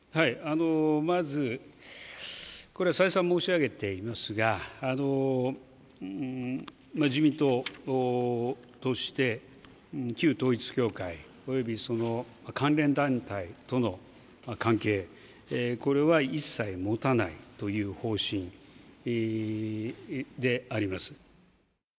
まず、これは再三申し上げていますが、自民党として、旧統一教会およびその関連団体との関係、これは一切持たないという方針であります。